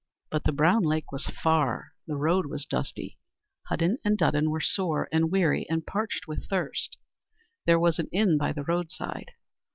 But the Brown Lake was far, the road was dusty, Hudden and Dudden were sore and weary, and parched with thirst. There was an inn by the roadside.